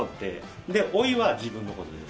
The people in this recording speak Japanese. で「おい」は自分の事です。